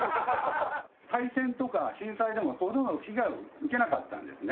大戦とか震災でもほとんど被害を受けなかったんですね。